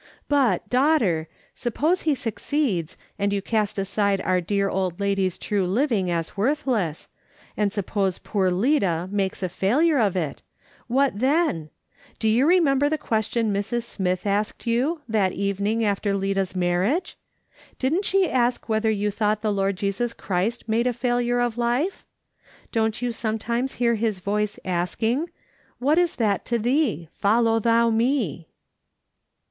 But, daughter, suppose he succeeds, and you cast aside our dear old lady's true living as worthless, and suppose poor Lida makes a failure of it, what then ? Do you remember the question Mrs. Smith asked you, that evening, after Lida's marriage ? Didn't she ask whether you thought the Lord Jesus Christ made a failure of life ? Don't you sometimes hear his voice asking :' Wliat is that to thee ? Follow thou me.'